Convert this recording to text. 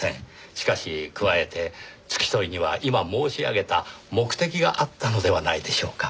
しかし加えて付き添いには今申し上げた目的があったのではないでしょうか。